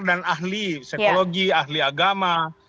dan ahli psikologi ahli agama